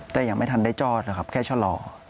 แต่ยังไม่ทันได้จอดนะครับแค่ชะลอ